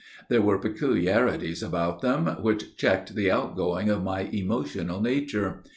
There were peculiarities about them, which checked the outgoing of my emotional nature.